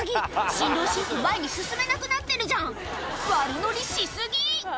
新郎新婦前に進めくなってるじゃん悪ノリし過ぎ！